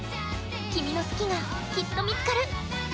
君の好きが、きっと見つかる。